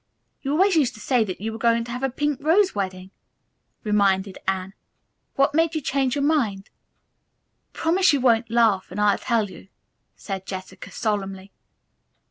"You always used to say that you were going to have a pink rose wedding," reminded Anne. "What made you change your mind?" "Promise you won't laugh and I'll tell you," said Jessica solemnly.